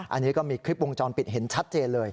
อันนี้ก็มีคลิปวงจรปิดเห็นชัดเจนเลย